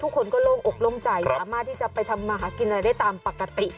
ทุกคนก็โล่งอกลงใจละมากตีจะไปทำคนมาหากินอะไรเลยตามปกติ